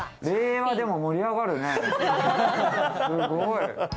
令和でも盛り上がるね！